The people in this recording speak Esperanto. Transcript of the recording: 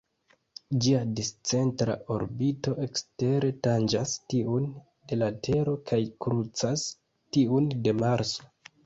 Ĝia discentra orbito ekstere tanĝas tiun de la Tero kaj krucas tiun de Marso.